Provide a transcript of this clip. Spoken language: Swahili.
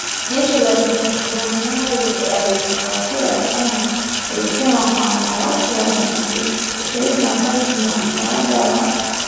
Jeshi la jamuhuri ya kidemokrasia ya kongo lilisema kwamba waasi wa Machi ishirini na tatu kwa msaada wa jeshi la Rwanda